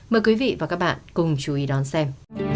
mời quý vị và các bạn cùng chú ý đón xem